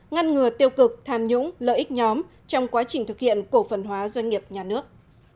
ngăn ngừa tiêu cực tham nhũng lợi ích nhóm trong quá trình thực hiện cổ phần hóa doanh nghiệp nhà nước